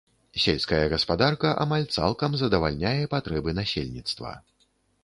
Сельская гаспадарка амаль цалкам задавальняе патрэбы насельніцтва.